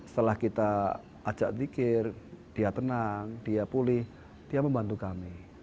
setelah kita ajak zikir dia tenang dia pulih dia membantu kami